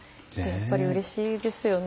やっぱりうれしいですよね